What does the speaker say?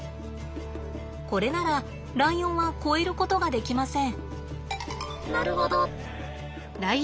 これならライオンは越えることができません。